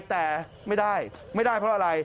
แต่ไม่ได้ไม่ได้เพราะอะไร